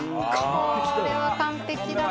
奈緒：これは完璧だな。